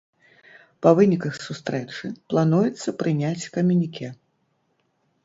Па выніках сустрэчы плануецца прыняць камюніке.